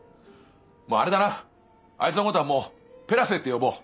もうあれだなあいつのことはもう「ペラ瀬」って呼ぼう。